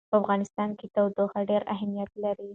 په افغانستان کې تودوخه ډېر اهمیت لري.